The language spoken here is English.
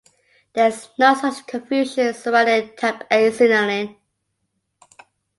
There is no such confusion surrounding Type A signalling.